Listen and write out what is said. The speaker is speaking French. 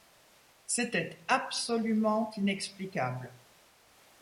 C’était absolument inexplicable!